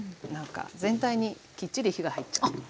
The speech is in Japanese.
なんか全体にきっちり火が入っちゃう。